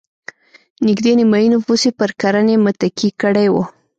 نږدې نیمايي نفوس یې پر کرنې متکي کړی و.